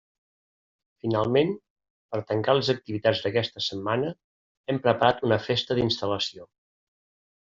Finalment, per tancar les activitats d'aquesta setmana hem preparat una Festa d'instal·lació.